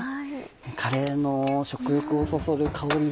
カレーの食欲をそそる香り。